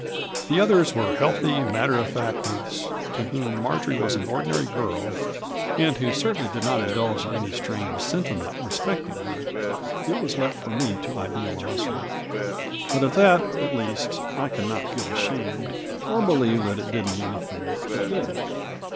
The others were healthy, matter of fact youths, to whom Marjory was an ordinary girl, and who certainly did not indulge m any strained sentiment respecting her; it was left for me to idealize her ; but of that, at least, I can not feel ashamed, or believe that it did me anything but good.